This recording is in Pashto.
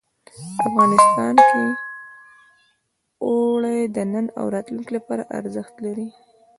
افغانستان کې اوړي د نن او راتلونکي لپاره ارزښت لري.